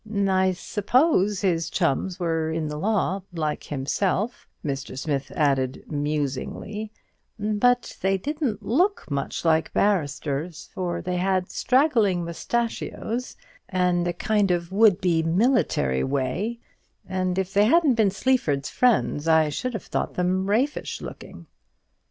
I suppose his chums were in the law, like himself," Mr. Smith added, musingly; "but they didn't look much like barristers, for they had straggling moustachios, and a kind of would be military way; and if they hadn't been Sleaford's friends, I should have thought them raffish looking."